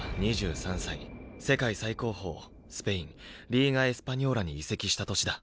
世界最高峰スペインリーガ・エスパニョーラに移籍した年だ。